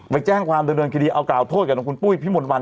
ไปแจ้งความดำเนินคดีเอากล่าวโทษกับคุณปุ้ยพี่มนต์วัน